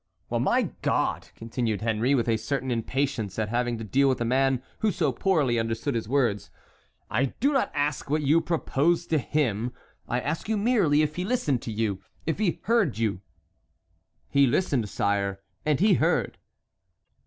"Well, my God!" continued Henry, with a certain impatience at having to deal with a man who so poorly understood his words. "I do not ask what you proposed to him, I ask you merely if he listened to you, if he heard you." "He listened, sire, and he heard."